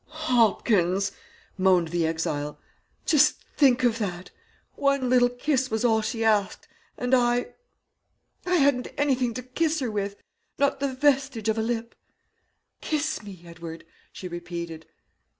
"Hopkins," moaned the exile, "just think of that! One little kiss was all she asked, and I I hadn't anything to kiss her with not the vestige of a lip. "'Kiss me, Edward,' she repeated.